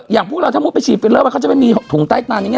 อย่างพวกเราถ้าพวกไปฉีดมันก็จะไม่มีถุงใต้ตานี่